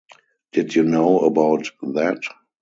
Did you know about that?